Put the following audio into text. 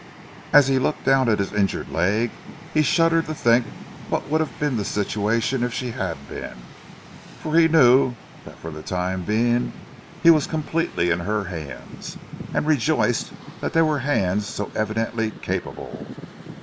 As he looked down at his injured leg he shuddered to think what would have been the situation if she had been, for he knew that for the time being he was completely in her hands; and rejoiced that they were hands so evidently capable.